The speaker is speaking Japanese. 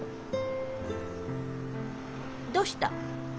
どうした？